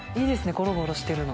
ゴロゴロしてるの。